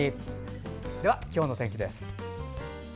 では、今日の天気です。